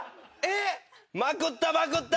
まくったまくった！